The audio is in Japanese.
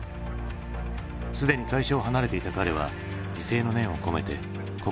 すでに会社を離れていた彼は自省の念を込めて告白した。